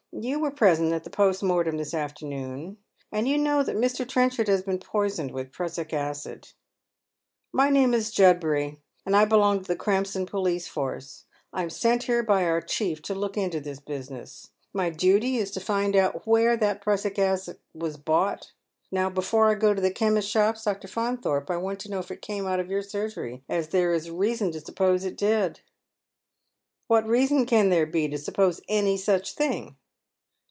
" You were present at the post mortem this afternoon, and you know that ^Ir. Trer» chard has been poisoned with prussic acid. My name is Judbuiy, and I belong to the Krampston police force. I am sent here by our chief to look into this business. T\ly duty is to find out where that prussic acid was bought. Now, before I go to the cliemists' shops. Dr. Faunthorpe, I want to know if it came out af your surgerj , as there is reason to suppose it did." " Wljjit reason can there be to suppose any such thing?